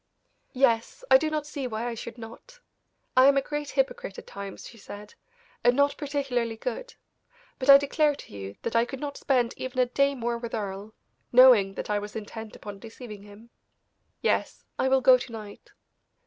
"Yes; I do not see why I should not. I am a great hypocrite at times," she said, "and not particularly good; but I declare to you that I could not spend even a day more with Earle, knowing that I was intent upon deceiving him. Yes, I will go to night."